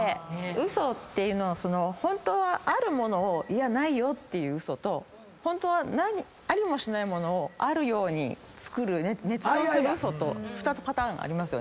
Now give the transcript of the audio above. ウソっていうのはホントはあるものをないよっていうウソとホントはありもしないものをあるように作るねつ造するウソと２つパターンがありますよね。